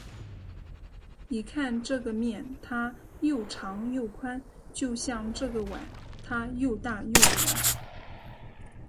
你看这个面，它又长又宽，就像这个碗，它又大又圆。